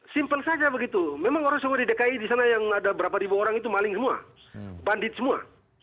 simpel saja begitu memang orang semua di dki di sana yang ada berapa ribu orang itu maling semua bandit semua